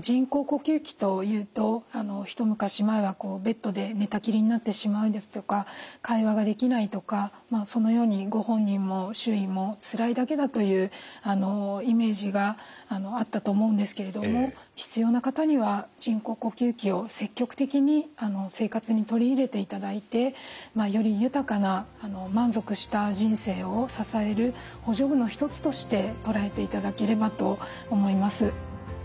人工呼吸器というと一昔前はベッドで寝たきりになってしまうですとか会話ができないとかそのようにご本人も周囲もつらいだけだというイメージがあったと思うんですけれども必要な方には人工呼吸器を積極的に生活に取り入れていただいてより豊かな満足した人生を支える補助具のひとつとして捉えていただければと思います。